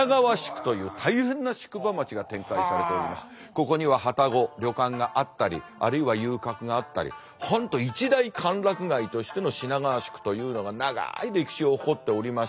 ここにははたご旅館があったりあるいは遊郭があったり本当一大歓楽街としての品川宿というのが長い歴史を誇っておりましたんで。